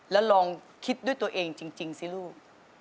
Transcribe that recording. แล้วลองคิดด้วยตัวเองจริงสิลูก